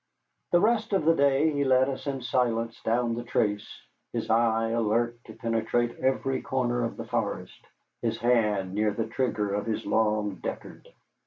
The rest of the day he led us in silence down the trace, his eye alert to penetrate every corner of the forest, his hand near the trigger of his long Deckard.